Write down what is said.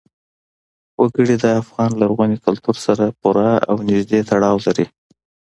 وګړي د افغان لرغوني کلتور سره پوره او نږدې تړاو لري.